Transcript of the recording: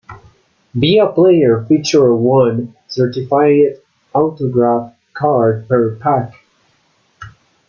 Be A Player featured one certified autograph card per pack.